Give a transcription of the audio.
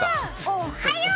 おっはよう！